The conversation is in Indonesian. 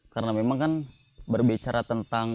karena memang kan berbicara tentang